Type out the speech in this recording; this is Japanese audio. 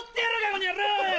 この野郎！